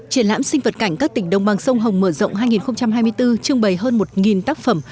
triển lãm sinh vật cảnh các tỉnh đồng bằng sông hồng mở rộng hai nghìn hai mươi bốn trưng bày hơn một tác phẩm